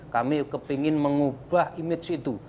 kami ingin mengubah image itu